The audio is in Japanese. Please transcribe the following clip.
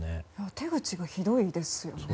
手口が広いですよね。